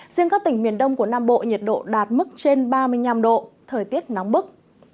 riêng các tỉnh miền đông của nam bộ nhiệt độ đạt mức trên ba mươi năm độ thời tiết nóng bức